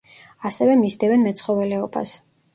ასევე მისდევენ მეცხოველეობას.